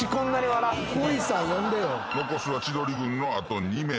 残すは千鳥軍のあと２名。